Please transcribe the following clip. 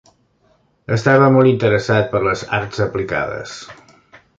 Estava molt interessat per les arts aplicades.